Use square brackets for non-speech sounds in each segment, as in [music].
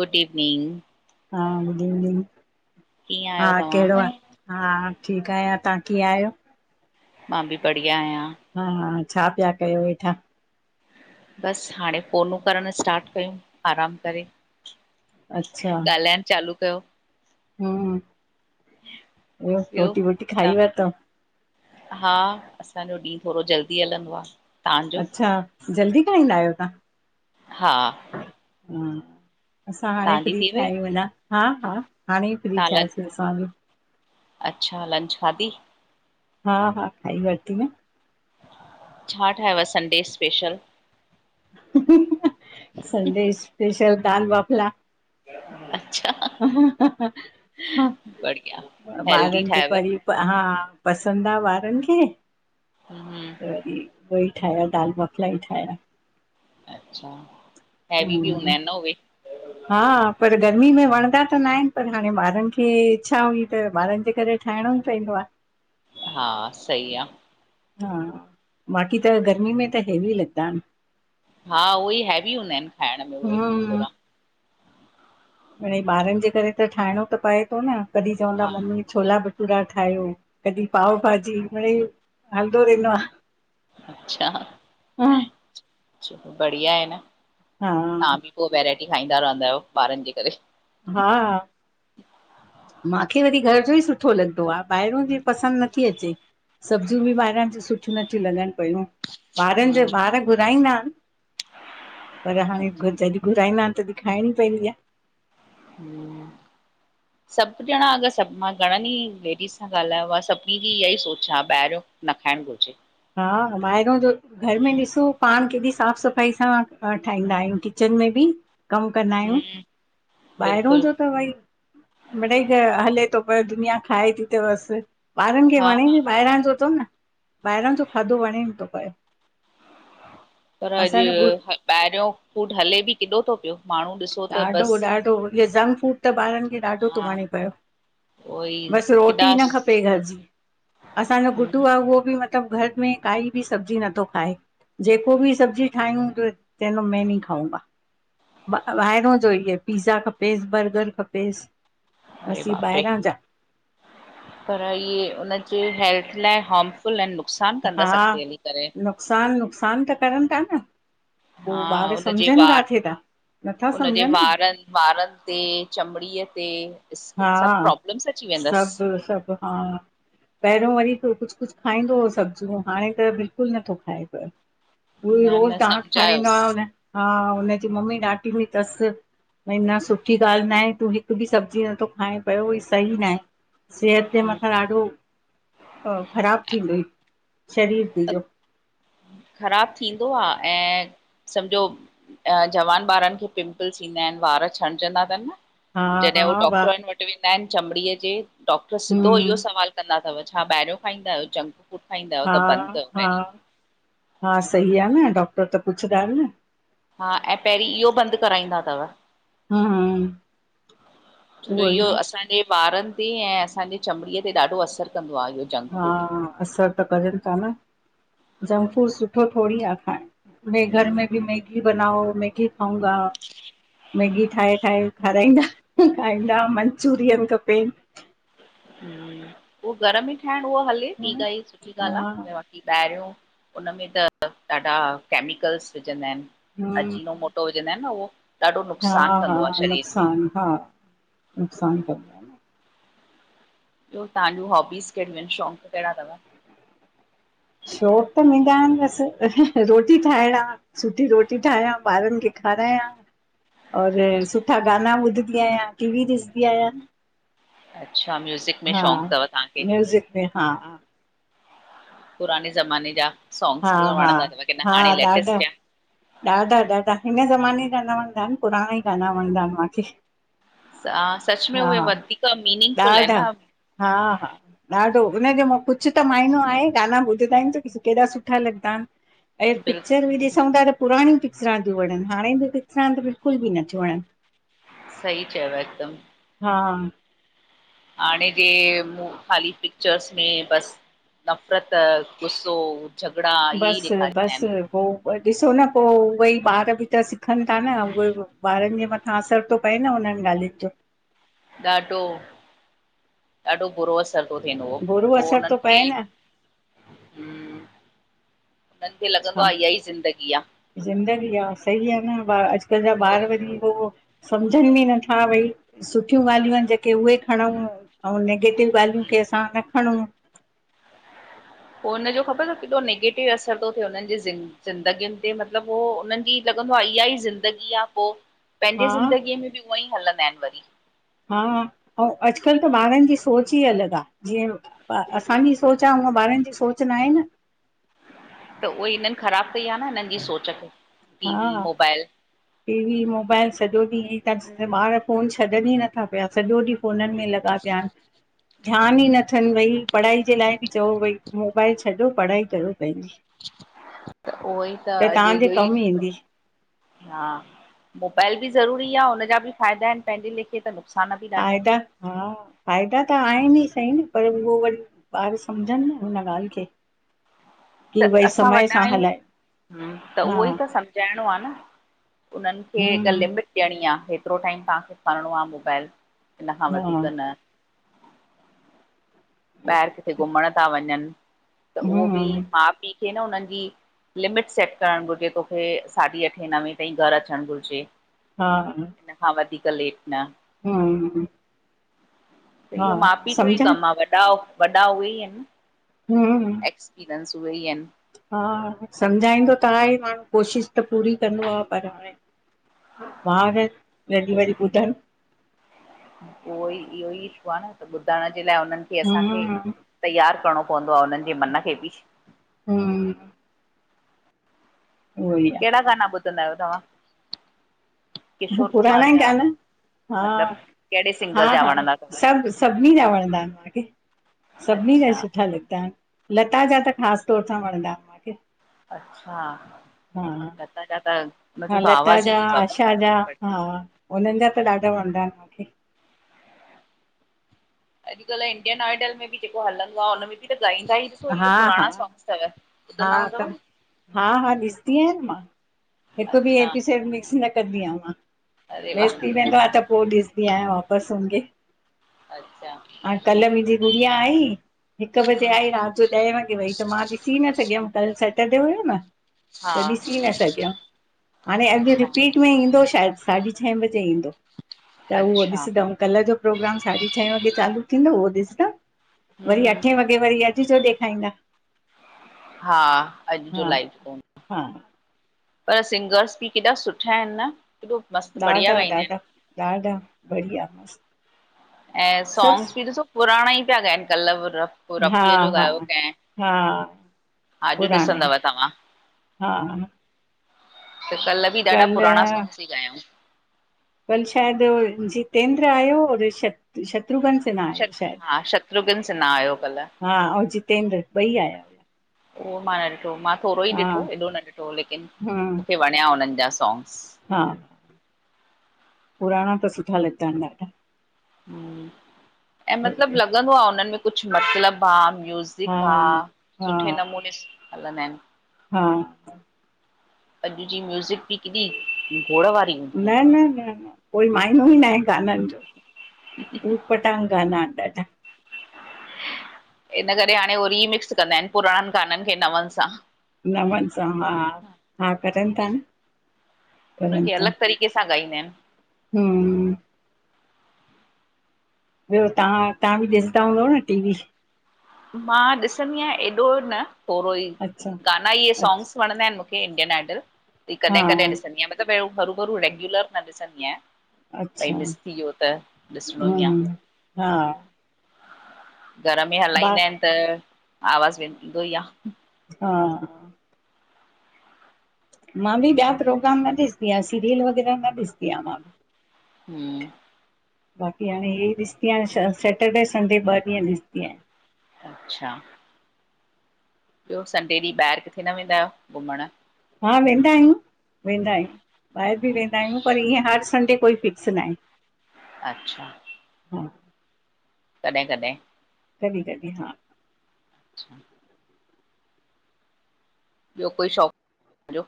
Good evening. हा good evening. कीअं आहियो तव्हां? हा। ठीकु आहियां तव्हां कीअं आहियो? मां बि बढ़िया आहियां। हा। छा पिया कयो वेठा? बसि हाणे फोनूं करण स्टार्ट कयूं आराम करे। अच्छा ॻाल्हाइण चालू कयो। हम्म। ब्यो ॿियो? रोटी वोटी खाई तव्हां वरतऊ? हा। असांजो ॾींहुं थोड़ो जल्दी हलंदो आ। तव्हांजो? अच्छा। जल्दी खाईंदा आहियो तव्हां? हा हां असां हाणे तव्हांजी फ्री थी थिया वई? आहियूं अञा हा हा हाणे ई फ्री तव्हां लंच थियासीं असां बि अच्छा लंच खाधी? हा हा खाई वरिती न छा ठाहियव संडे स्पेशल? संडे स्पेशल दाल बाफला। [inaudible] ह बढ़िया, हेल्दी ॿारनि खे ठाहियव? वरी हा पसंदि आ ॿारनि खे हम्म त वरी उएई ठाहिया दाल बाफला ही ठाहिया अच्छा हैवी बि हूंदा हम्म आहिनि न उए हा पर गर्मी में वणंदा त न आहिनि पर हाणे ॿारनि खे इच्छा हुई त ॿारनि जे करे ठाहिणो ई पइंदो आ हा सही आ हा बाक़ी त गर्मी में त हैवी लॻंदा आहिनि हा उहे ई हैवी हूंदा आहिनि खाइण में उहे थोड़ा मिणई ॿारनि जे करे त ठाहिणो त पए थो न कॾहिं चवंदा हा मम्मी छोला भटूरा ठाहियो कॾहिं पाव भाॼी मिडइ हलंदो रहंदो आह अच्छा बढिया आहे न हा पोइ वैराइटी ठाहिदा रहंदा आहियो ॿारनि जे करे हा माखे वरी घर जो ई सुठो लॻंदो आहे ॿाहिरो जी पसंदि नथी अचे सब्जियूं बि ॿाहिरां जी सुठियूं नथियूं लॻनि पिययूं ॿारनि जा हम्म ॿार घुराईंदा आहिनि पर हाणे अच्छा जॾहिं घुराईंदा तॾहिं खाइणी पवंदी आह हूं सभु ॼणा अगरि सभु मां घणनि ई लेडीस सां ॻाल्हायो आहे सभिनी जी इहा ई सोच आहे ॿाहिरियो न खाइणु घुरिजे हा ॿाहिरो जो घर में ॾिसो पाण केॾी साफ़ सफ सफाई सां ठाहींदा आहियूं किचन में बि कमु कंदा आहियूं हम्म ॿाहिरों बिल्कुलु जो त वई मिडई त हले थो पियो दुनिया खाए थी त बस ॿारनि खे हा वणे हा बि ॿाहिरां जो थो न ॿाहिरां जो खाधो वणे न थो पए पर अॼु ॿाहिरियों फूड हले बि किॾो थो पियो माण्हू ॾिसो त ॾाढो बसि ॾाढो इहो जंक फफ़ूड त ॿारनि खे ॾाढो थो हा वणे पियो उहो ई बसि रोटी केॾा ई न खपे घरि जी असांजो गुटु हम्म आहे उहो बि मतिलबु मतलब घर में काई बि सब्जी नथो खाए जेको बि सब्जी ठाहियूं त चइंदो मैं नहीं खाऊंगा ॿाहिरों जो इहे पिज़ा खपेसि बर्गर खपेसि अरे बसि इ बाप रे ॿाहिरां जा पर इहे उनजे हेल्थ लाइ हामफुल ऐं नुक़सानु कंदस अघते हली करे नुक़सानु नुक़सान त करनि था न हा पोइ ॿार उनजे सम्झनि वार किथे था नथा उनजे सम्झनि न वारनि वारनि ते चमड़ीअ ते हा सभु प्रॉब्लम्स अची वेंदसि सभु सभु हा पहिरियों वरी तो कुछ कुछ खाईंदो हो, सब्जियूं हाणे त बिल्कुलु नथो खाए पियो। उहोई न रोज़ न डांट खाराईंदोव सम्झायोसि न। हा, हुनजी मम्मी डांटीदी तस भई न सुठी ॻाल्हि नाहे, तूं हिकु बि सब्जी नथो खाएं पियो सही नाहे, सेहत जे मथां ॾाढो ख़राबु थींदुइ शरीर त तुंजो, ख़राबु थींदो आ, ऐं सम्झो जवान ॿारनि खे पिंपल्स ईंदा आहिनि, वार छणिजंदा तनि न। हा जॾहिं हू हा वाह डॉक्टरनि वट वेंदा आहिनि, चमड़ीअ जे डॉक्टर सिधो हम्म इहो सवाल कंदा तव छा ॿाहिरियों खाईंदा आहियो जं हा- हा- हा, सही आ न डॉक्टर त पुछंदाए न। हा, ऐं पहिरीं इहो बंदि कराईंदा तव। हम्म छो जो उहो ई इहो न असां जे ॿारनि ते ऐं असांजे चमड़ीअ ते ॾाढो असरु कंदो आ इहो। जंक हा, असर त करनि ता न जंक फूड सुठो थोड़ी आ खाइणु। बे घर फूड में बि मैगी बनाओ मैगी खाऊंगा। मैगी ठाहे -ठाहे खाराईंदा -खाईंदा, मंचुरियन खपे। उहो घर में ई ठाहिण उहो हले ॿी काई सुठी ॻाल्हि हा आ, ई ॿाहिरियों उनमें त ॾाढा केमिकल्स विझंदा आहिनि, हम्म अजीनो मोट टो विझंदाइन न उहो ॾाढो हा नुक़सानु हा कंदो आ, शरीर खे। नुक़सान हा, नुक़सानु कंद ॿियो तव्हांजूं हॉबीस कहिड़ियूं आहिनि, शौंक़ कहिड़ा तव? शौक़ु त मुंजा आहिनि बसि रोटी ठाहिण आ, सुठी रोटी ठाहियां ॿारनि खे खारायां, और सुठा गाना ॿुधदी आहियां, टीवी ॾिसदी आहियां। अच्छा म्यूज़िक में हा, शौक़ तव तव्हांखे, म्यूज़िक में हा-हा, पुराने ज़माने जा हा सॉंग्स हा वणंदा इन, लेकिन त हा हाणे लेटेस्ट ॾाढा थया। ॾाढा -ॾाढा, हिन ज़माने जा न वणंदा इन, पुराणा ई गाना वणंदा इन माखे। हा सच में उहे वधीक मीनिंग फुल है ॾाढा न अब। हा हा ॾाढो, हुनजे मो कुछ त माइनो आहे, गाना ॿुधदा इन ता इन, त ॾिसु केॾा सुठा लॻदा। ऐ पिक्चर बिल्कुलु बि ॾिसऊं ता त पुराणियूं पिक्चरां तियूं वणन, हाणे जूं पिक्चरां त बिल्कुल बी नथियूं वणन। सही चयव हिकदम। हा हाणे के ख़ाली पिक्चर्स में बस नफ़रत, गुस्सो, झगड़ा इहे ई ॾेखारींदा इन। पो ॿ ॾिसो न पो, उयेई ॿार बि त सिखनि ता न उयेइ उओ। ॿारनि जे मथां असर तो पए न, हुननि ॻाल्हियुनि जो। ॾाढो- ॾाढो बुरो अस सबु थींदो हो, बुरो पो असरु उनन थो खे पए न हुननि खे लॻंदो छा आ, इह ई ज़िंदगी आ। ज़िंदगी आ सही आ न ॿा अजकल जा ॿार पोइ वरी पो। सम्झन बि नथा भई सुठियूं ॻाल्हियूं आहिनि जेके उहे खणऊं। अऊं निगेटिव ॻाल्हियुन खे असां न खणऊं। फोन जो खबर तव केॾो नेगेटिव असर तो थे हुन्हनि जी जेिन- ज़िंदगियुनि ते मतिलबु हो उन्हनि जी लॻंदो आ इहा ई ज़िंदगी आ पो पंहिंजे हा ज़िंदगीअ में बि उअईं हलंदाइन वरी। हा अऊं अजकल त ॿारनि जी सोच ई अलग आ, जीअं असांजी सोच आ ऊंअं बा ॿारन जी सोच नाहें न। त उहे हिनन ख़राबु कई आहे न हिनन जी सोच खे टी वी हा मोबाइल। टीवी मोबाइल सॼो ॾींहुं ईंअईं था ॾिस ॿार फोन छॾन ई नथा पिया सॼो ॾींहुं फोनन में लॻा पिया आ ध्यानु ई नथनि भई, पढ़ाई जे लाइ बि चओ, भई मोबाइल छॾियो पढ़ाई कयो पंहिंजी। उहोई त अॼु तव्हांजे ईहोई कमु थींदो आ। ईंदी हा मोबाइल बि ज़रूरी आ उन जा बि फ़ाइदा आहिनि पंहिंजे लेखे त नु फायदा हा फ़ाइदा त आहिनि ई सही न पर उहो वरी ॿार सम्झनि न हुन ॻाल्हि खे। [inaudible] त की भई असां वॾा समय सां हलाए आहियूं, त हा उहोई त सम्झाइणों आ न। उननि खे हिक हम्म लिमिट ॾियणी आ हेतरो टाइम तहांखे खणणों आ मोबाइल इन खां हा वधीक न। ॿाहिरि किथे घुमण था वञन, त उहो बि हम्म माउ पीउ खे न उन्हनि जी लिमिट सेट करणु घुरजे, तोखे साढी़ अठे नवें ताईं घर अचणु घुरजे हा आ हिन खां वधीक लेट न हूं ऊं ऊं त इहो माउ पीउ जो ई सम्झाए कम आ वॾा वॾा उहे ई आहिनि न। हूं हूं इसपीरंस उहे ई अइन हा आ सम्झाईंदो त आहे ई माण्हूं। कोशिशि त पूरी कंदो आ, पर हाणें ॿार आहिन, जॾी वरी ॿुधनि। उहो ई इहो ई इशू आ न, त ॿुधण जे लाइ हुनननि खे असांखे हम्म तईयार करणो पवंदो आ उन्हनि जे मन खे बि। हूं ऊं ऊं उहोई कहिड़ा ॻाना ॿुधंदा आहियो, तव्हां? हा किशोर कुमार पुराणा ई जा गाना। हा मतिलबु कहिड़े सिंगर जा हा-हा वणंदा अथव सभु सभिनी जा वणंदा आहिनि मांखे। सभिनी जा अच्छा सुठा लॻंदा आहिनि, लता जा त ख़ासि तौर सां वणंदा आहिनि मांखे। अच्छा लता जा त हा त लता आवाज़ जा, ई बाबा आशा जा बट हा, हुननि जा त ॾाढा वणंदा आहिनि। मूंखे। अॼुकल्ह इंडियन आइडल में बि जेको हलंदो आ उ हुन में बि त गाईंदा ई ॾिसो हा, इहे हा, पुराणा सॉंग्स तव। हा त हा-हा ॾिसदी आहियां मां। हिकु बि अच्छा एपिसोड मिक्स न कंदी आ मां। अरे वाह मिस थी वेंदो आ त पोइ ॾिसदी आया वापसि हुनखे। अच्छा कल्ह मुंहिंजी गुड़िया आई, हिकु बजे आई, राति जो ॾहें वॻे वई त मां ॾिसी न सघियमि, कल सेटरडे हुयो न हा त ॾिसी न सघियमि। हाणे अॼु अच्छा रिपीट में ईंदो शायदि, साढी छह बॼे ईंदो, त उहो अच्छा ॾिसंदमि। कल्ह जो प्रोग्राम साढी छह वॻे चालू थींदो उहो ॾिसंद, वरी हम्म अठे वॻे वरी अ ॾिसो देखाइंदा। हा! अॼु जो हा लाइफ फोन हा पर सिंगर्स बि केॾा सुठा आहिनि न। केॾो मस्तु बढ़िया ॾाढा, ॻाईंदा ॾाढा, आहिनि। ॾाढा बढ़िया मस। ऐं सॉन्ग्स बि ॾिसो पुराणा ई पिया ॻाइनि कल व पो हा रफ़ीअ जो हा गायो कैं। हा अॼु पुराणा आहिनि ॾिसंदव तव्हां। हा त कल् बि ॾाढा पुराणा सॉन्ग्स ही गायऊं। पल शायदु जितेंद्र आयो श शत्रुघ्न फिर न श आये शायदि, हा शत्रुघ्न सिन्हा आयो कल्ह हा अऊं जितेंद्र ॿई आया। उहो मां न ॾिठो, मां थोरो ई हा ॾिठो, एॾो न ॾिठो लेकिन हम्म मुंखे वण्या उनन जा सॉंग्स। हा। पुराणा त सुठा लॻदा इनि ॾाढा। ऐं मतलब बढ़िया लॻंदो आ उनन में कुछ मतलब आ म्यु़जि़ ज़ेका हा सुठे हा नमूने सं हलंदा इन। हा अॼु जी म्यूज़िक बि केॾी गोड़ वारी हूंदी आ न-न-न-न कोई माइनो ई नाए। ॻानन जो, उटपटांंग ॻाना इन ॾाढा। इन करे हाणे हो रीमिक्स कंदा इन, पुराणनि ॻाननि खे नवन सां। नवन सां हा, हा करन ता न, करन ता। कैसां ॻाईंदा इनि। हिम ॿियो तहां, तहां बि ॾिसदा हूंदव न टी-वी। मां ॾिसंदी आयां एॾो न, थोरो ई अच्छा ॻाना इहे अच्छा सॉन्ग्स। वणंदा इनि मुखे इंडियन- आइडल, ते हा कॾहिं कॾहिं ॾिसंदी आयां। त पहिरुं हरु भरु रेग्युलर न ॾिसंदी आयां। भाई अच्छा मिस थी यो त, ॾिसणो ई आ। हम्म हा घर में बा हलाईंदा इनि त आवाज़ वेंन ईंदो ई आ। हा। मां बि ॿया प्रोग्राम न ॾिसदी आं सीरियल वगैर न ॾिसदी आ मां। हिम। बाक़ी हाणे हे ॾिस्दी आयां, श सैटरडे- संडे ॿ ॾींहं ॾिस्दी आयां। अच्छा! ॿियो संडे ॾींहुं ॿाहिरि किथे न वेंदा आहियो। घुमण? हा वेंदा आहियूं, वेंदा आहियूं। ॿाहिरि बि वेंदा आहियूं पर ईअं हर संडे कोई फ़िक्स नाहे। अच्छा। हा। कॾहिं -कॾहिं कॾी -कॾी हा अच्छा। ॿियो कोई शौक जो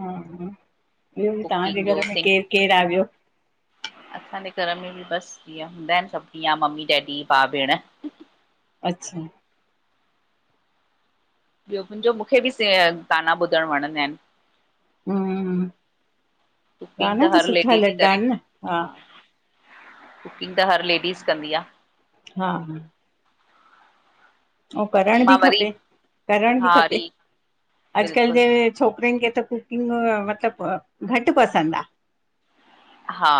हा- हा ॿियो बि तहांजे कुकिंग जो घर में सिंग केर -केर आ ॿियो? असांजे घर में बि बसि जीअं हूंदा इनि सब तीअं आ मम्मी -डैडी, भाउ- भेण। अच्छा। ॿियो मुंजो मुखे बि सेयर गाना ॿुधणु वणंदा इनि। हम्म [unintelligible] कुकिंग गाना त हर सुठा लेडी ती लॻंदा करेे। आहिनि न हा कुकिंग त हर लेडीज़ कंदी आ। हा- हा अंउं करणि बि मां वरी खपे, करणि बि हा खपे वरी अॼुकल्ह बिल्कुलु जे छोकिरियुन खे त कुकिंग मतिलबु घटि पसंदि आ। हा।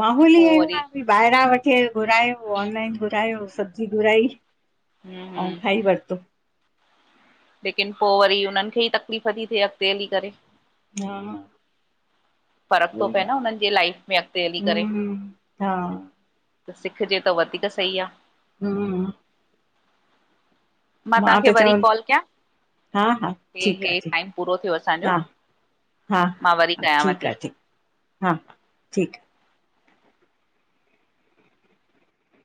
माहौल ई पो अहिड़ो वरी आ, भइ ॿाहिरां वठी घुरायो ऑनलाइन घुरायो, सब्जी घुराई हम्म हम्म अंउं खाई वरतो लेकिन पो वरी उन्हनि खे ई तकलीफ़ ती थिए, अॻिते हली करे। हा। फ़र्क तो ई पए आहे न हुननि जे लाइफ में, अॻिते हली करे। हम्म हा त सिखजे त वधीक सही आ हम्म मां त तव्हांखे वरी चवंद, कॉल कयां हा- हा हे ठीक आ हे ठीक टाइम पूरो थियो असांजो हा। हा- मां वरी हा कयांव ठीक थी आ ठीक, हा ठीक आ